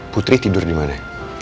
putri tidur dimana